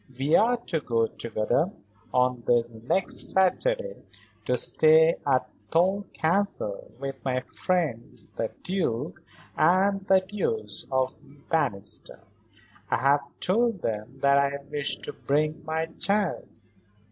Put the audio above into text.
We are to go together, on this next Saturday, to stay at Thole Castle with my friends the Duke and Duchess of Bannister. I have told them that I wish to bring my child."